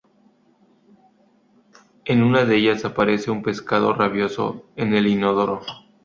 En una ellas aparece un "pescado rabioso" en el inodoro.